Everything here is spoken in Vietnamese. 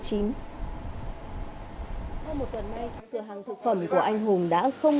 hơn một tuần nay cửa hàng thực phẩm của anh hùng